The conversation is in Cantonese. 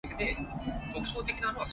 你咁叻不如你去做吖